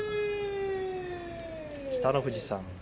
北の富士さん